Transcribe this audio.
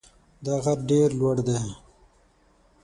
دا غر ډېر لوړ دی.